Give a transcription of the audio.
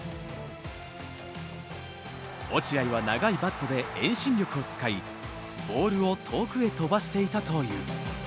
落合は長いバットで遠心力を使いボールを遠くへ飛ばしていたという。